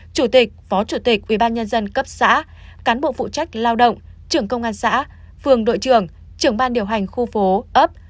chủ tịch phó chủ tịch ubnd cấp xã cán bộ phụ trách lao động trưởng công an xã phường đội trưởng trưởng ban điều hành khu phố ấp